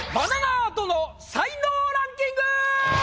アートの才能ランキング！